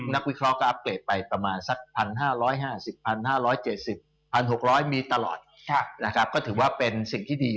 วิเคราะห์ก็อัปเกรดไปประมาณสัก๑๕๕๐๕๗๐๑๖๐๐มีตลอดนะครับก็ถือว่าเป็นสิ่งที่ดี